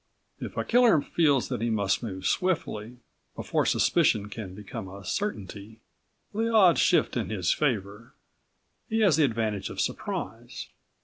If a killer feels that he must move swiftly, before suspicion can become a certainty, the odds shift in his favor. He has the advantage of surprise.